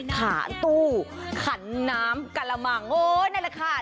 ขาตู้ขันน้ำกะละมังโอ้นั่นแหละค่ะ